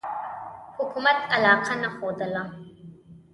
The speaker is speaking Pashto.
حکومت علاقه نه ښودله.